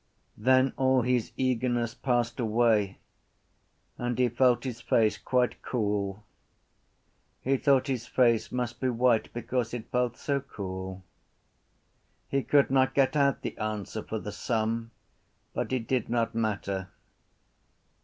Then all his eagerness passed away and he felt his face quite cool. He thought his face must be white because it felt so cool. He could not get out the answer for the sum but it did not matter.